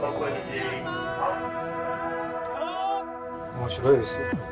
面白いですよ。